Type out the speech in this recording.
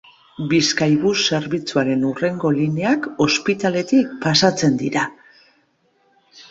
Bizkaibus zerbitzuaren hurrengo lineak ospitaletik pasatzen dira.